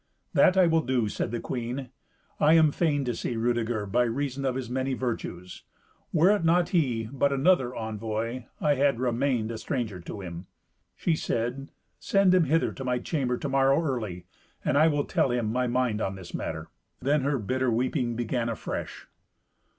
"That I will do," said the queen; "I am fain to see Rudeger, by reason of his many virtues. Were it not he, but another envoy, I had remained a stranger to him." She said, "Send him hither to my chamber to morrow early, and I will tell him my mind on this matter." Then her bitter weeping began afresh.